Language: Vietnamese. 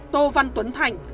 tô văn tuấn thành